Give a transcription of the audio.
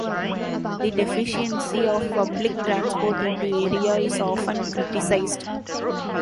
The deficiency of public transport in the area is often criticised.